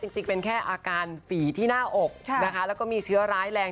จริงเป็นแค่อาการฝีที่หน้าอกนะคะแล้วก็มีเชื้อร้ายแรง